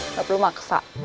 gak perlu maksa